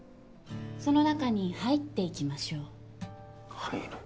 その中に入っていきましょう入る？